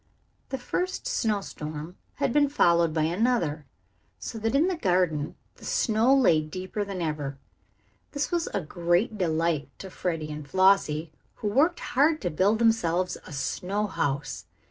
The first snow storm had been followed by another, so that in the garden the snow lay deeper than ever. This was a great delight to Freddie and Flossie, who worked hard to build themselves a snow house.